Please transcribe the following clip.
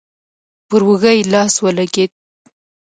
پر اوږه يې لاس ولګېد.